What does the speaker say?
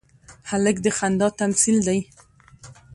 هلک د خندا تمثیل دی.